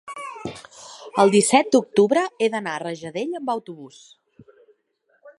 el disset d'octubre he d'anar a Rajadell amb autobús.